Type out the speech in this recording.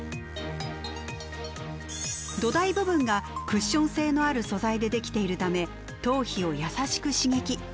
土台部分がクッション性のある素材で出来ているため頭皮を優しく刺激。